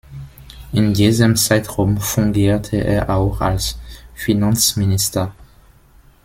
In diesem Zeitraum fungierte er auch als Finanzminister.